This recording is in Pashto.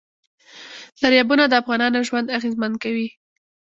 دریابونه د افغانانو ژوند اغېزمن کوي.